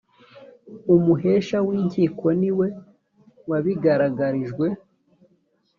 umuhesha w’ inkiko niwe wabigaragarijwe.